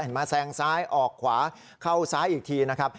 มาแซงซ้ายออกขวาเข้าซ้ายอีกทีนะครับ